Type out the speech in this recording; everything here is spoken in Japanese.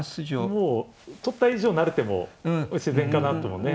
もう取った以上成る手も自然かなともね。